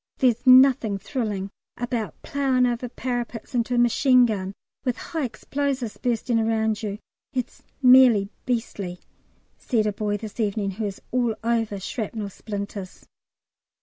There's nothing thrilling about ploughing over parapets into a machine gun, with high explosives bursting round you, it's merely beastly," said a boy this evening, who is all over shrapnel splinters.